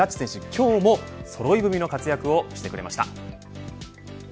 今日もそろい踏みの活躍をしてくれました。